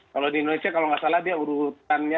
kalau di indonesia kalau nggak salah dia urutannya